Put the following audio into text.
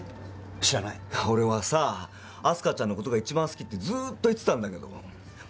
知らない俺はさ明日香ちゃんのことが１番好きってずっと言ってたんだけどま